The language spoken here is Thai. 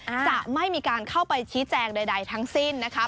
อาจจะไม่มีการเข้าไปชี้แจงใดทั้งสิ้นนะคะ